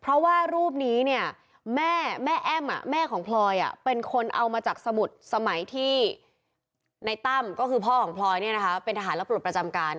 เพราะว่ารูปนี้เนี่ยแม่แอ้มแม่ของพลอยเป็นคนเอามาจากสมุทรสมัยที่ในตั้มก็คือพ่อของพลอยเป็นทหารรับปลดประจำการ